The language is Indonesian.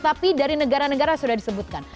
tapi dari negara negara sudah disebutkan